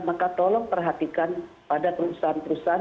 maka tolong perhatikan pada perusahaan perusahaan